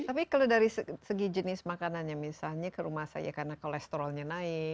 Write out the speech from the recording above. tapi kalau dari segi jenis makanannya misalnya ke rumah saja karena kolesterolnya naik